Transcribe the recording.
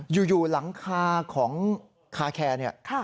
อยู่หลังคาของคาแคร์เนี่ย